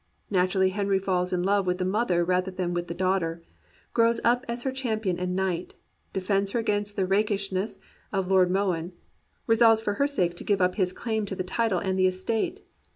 Naturally, Henry falls in love with the mother rather than with the daughter, grows up as her champion and knight, defends her against the rakishness of Lord Mohun, resolves for her sake to give up his claim to the title and the estate.